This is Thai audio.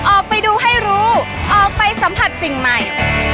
ออกไปดูให้รู้ออกไปสัมผัสสิ่งใหม่